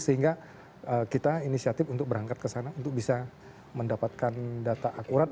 sehingga kita inisiatif untuk berangkat ke sana untuk bisa mendapatkan data akurat